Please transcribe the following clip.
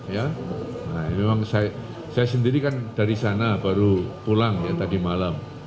ya memang saya sendiri kan dari sana baru pulang ya tadi malam